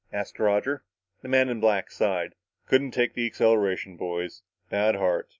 asked Roger. The man in black sighed. "Couldn't take the acceleration, boys. Bad heart.